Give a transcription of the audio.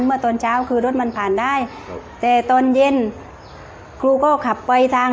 เมื่อตอนเช้าคือรถมันผ่านได้แต่ตอนเย็นครูก็ขับไปทาง